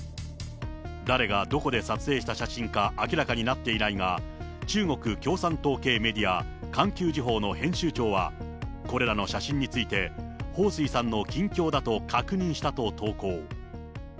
誰がどこで撮影した写真か明らかになっていないが、中国共産党系メディア、環球時報の編集長は、これらの写真について、彭帥さんの近況だと確認したと投稿。